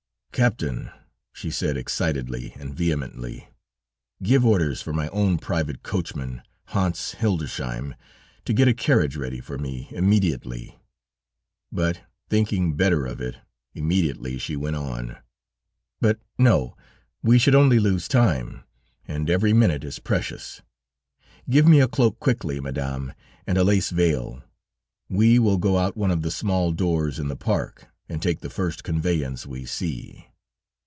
"'Captain,' she said excitedly and vehemently, 'give orders for my own private coachman, Hans Hildersheim, to get a carriage ready for me immediately,' but thinking better of it immediately she went on: 'But no, we should only lose time, and every minute is precious; give me a cloak quickly, Madame, and a lace veil; we will go out of one of the small doors in the park, and take the first conveyance we see."